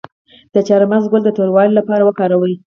د چارمغز ګل د توروالي لپاره وکاروئ